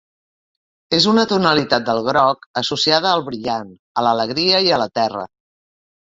És una tonalitat del groc associada al brillant, a l'alegria i a la terra.